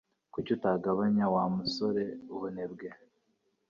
Kuki utagabanya Wa musore ubunebwe?